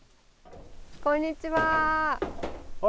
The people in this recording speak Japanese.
こんにちは。